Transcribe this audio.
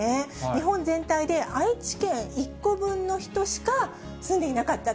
日本全体で愛知県１個分の人しか住んでいなかったと。